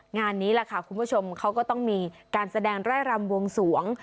งานนี้แหละค่ะคุณผู้ชมเขาก็ต้องมีการแสดงไร่รำวงสวง